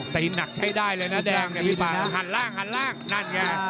หนักใช้ได้เลยนะแดงเนี่ยพี่ป่าหันล่างหันล่างนั่นไง